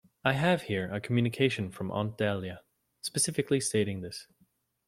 I have here a communication from Aunt Dahlia, specifically stating this.